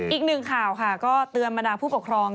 อีกหนึ่งข่าวค่ะก็เตือนบรรดาผู้ปกครอง